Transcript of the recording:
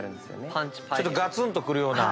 ちょっとガツンとくるような。